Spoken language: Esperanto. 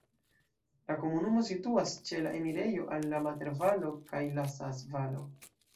La komunumo situas ĉe la enirejo al la Mater-Valo kaj la Saas-Valo.